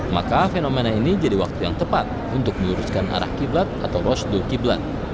maka fenomena ini jadi waktu yang tepat untuk meluruskan arah qiblat atau rasulul qiblat